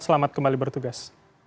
selamat kembali bertugas